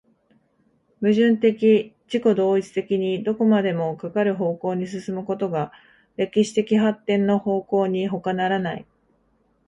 矛盾的自己同一的にどこまでもかかる方向に進むことが歴史的発展の方向にほかならない。